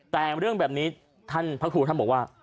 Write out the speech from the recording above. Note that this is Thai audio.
แต่เรื่องแบบนี้ท่านพระครูท่านบอกว่า